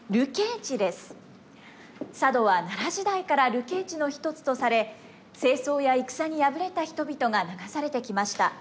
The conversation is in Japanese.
佐渡は奈良時代から流刑地の一つとされ政争や戦に敗れた人々が流されてきました。